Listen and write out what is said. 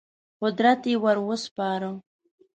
قدرت یې ور وسپاره.